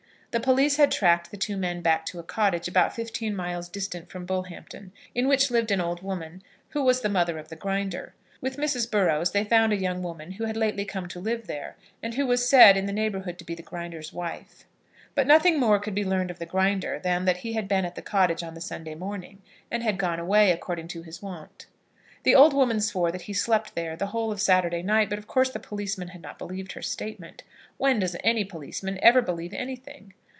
The police had tracked the two men back to a cottage, about fifteen miles distant from Bullhampton, in which lived an old woman, who was the mother of the Grinder. With Mrs. Burrows they found a young woman who had lately come to live there, and who was said in the neighbourhood to be the Grinder's wife. But nothing more could be learned of the Grinder than that he had been at the cottage on the Sunday morning, and had gone away, according to his wont. The old woman swore that he slept there the whole of Saturday night, but of course the policemen had not believed her statement. When does any policeman ever believe anything?